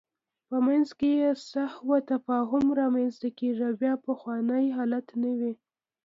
په منځ کې یې سوء تفاهم رامنځته کېږي او بیا پخوانی حالت نه وي.